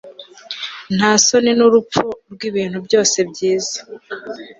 Nta soni nurupfu rwibintu byose byiza